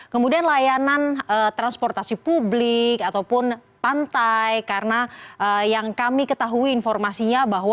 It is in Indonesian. kemudian layanan transportasi publik ataupun pantai karena yang kami ketahui informasinya bahwa